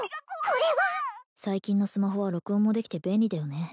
これは最近のスマホは録音もできて便利だよね